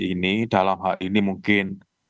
ini dalam hal ini mungkin